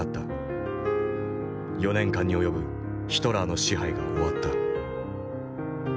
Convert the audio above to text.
４年間に及ぶヒトラーの支配が終わった。